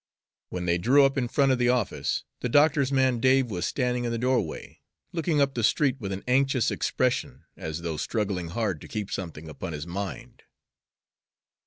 When they drew up in front of the office, the doctor's man Dave was standing in the doorway, looking up the street with an anxious expression, as though struggling hard to keep something upon his mind.